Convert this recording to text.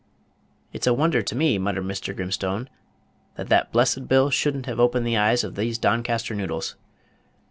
"It's a wonder to me," muttered Mr. Grimstone, "that that blessed bill should n't have opened the eyes of these Doncaster noodles.